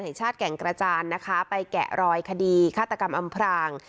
แห่งชาติแก่งกระจานนะคะไปแกะรอยคดีฆาตกรรมอำพราง